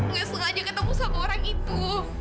nggak sengaja ketemu sama orang itu